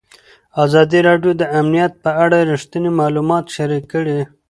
ازادي راډیو د امنیت په اړه رښتیني معلومات شریک کړي.